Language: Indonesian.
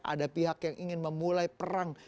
ada pihak yang ingin memulai perang